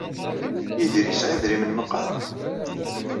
Yidir yesɛa idrimen meqqar?